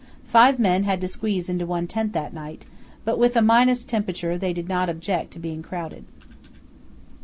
Five men had to squeeze into one tent that night, but with a minus temperature they did not object to being crowded.